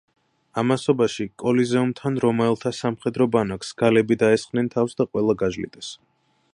ამასობაში კლუზიუმთან რომაელთა სამხედრო ბანაკს გალები დაესხნენ თავს და ყველა გაჟლიტეს.